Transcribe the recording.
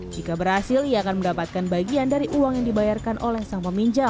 jika berhasil ia akan mendapatkan bagian dari uang yang dibayarkan oleh sang peminjam